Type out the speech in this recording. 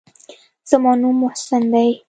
زما نوم محسن دى.